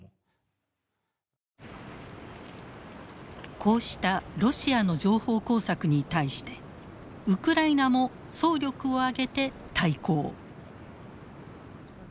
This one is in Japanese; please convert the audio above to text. こうしたロシアの情報工作に対してウクライナも総力を挙げて対抗。